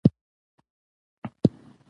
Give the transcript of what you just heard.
هر چا ته سلام کوئ! که څه هم ښه خلک نه يي.